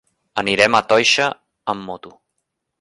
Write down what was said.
Anirem a Toixa amb moto.